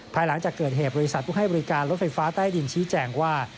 ภายหลังจากเกิดเหตุบริษัทผู้ให้บริการรถไฟฟ้าใต้ดินชี้แจงว่า